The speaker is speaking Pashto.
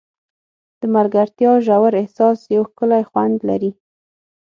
د ملګرتیا ژور احساس یو ښکلی خوند لري.